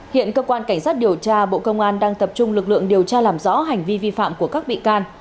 hiện cơ quan cảnh sát điều tra bộ công an đang tập trung lực lượng điều tra làm rõ hành vi vi phạm của các bị can